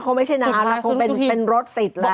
คงไม่ชนะคงเป็นโรศฟิตล่ะ